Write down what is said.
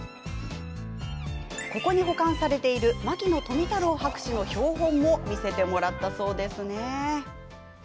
ここに保管されている牧野富太郎博士の標本も見せてもらったそうですね。